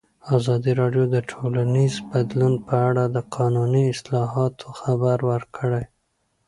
ازادي راډیو د ټولنیز بدلون په اړه د قانوني اصلاحاتو خبر ورکړی.